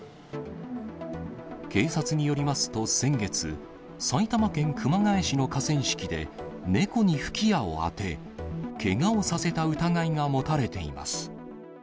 警察によりますと、先月、埼玉県熊谷市の河川敷で、猫に吹き矢を当て、けがをさせた疑いが持たれています。